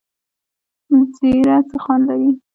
زیره څه خوند لري؟